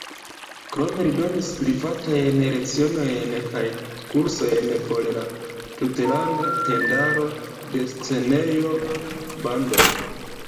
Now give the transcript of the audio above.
Krome li donis privatajn lecionojn kaj kursojn por la Tutlanda Tendaro de Scenejo-Bandoj.